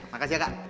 makasih ya kak